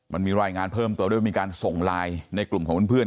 มันมีรายงานเพิ่มตัวด้วยว่ามีการส่งไลน์ในกลุ่มของเพื่อน